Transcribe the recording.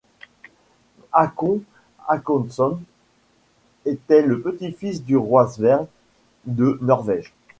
Håkon Håkonsson était le petit-fils du roi Sverre de Norvège.